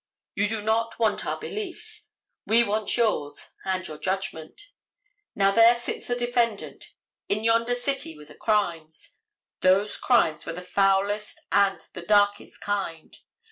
You do not want our beliefs, we want yours and your judgment. Now there sits the defendant. In yonder city were the crimes. Those crimes were the foulest and the darkest kind.